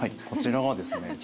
こちらはですね。